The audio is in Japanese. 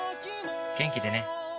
元気でね。